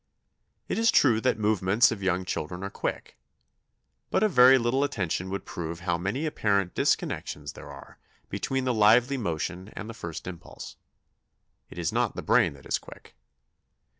It is true that the movements of young children are quick, but a very little attention would prove how many apparent disconnexions there are between the lively motion and the first impulse; it is not the brain that is quick.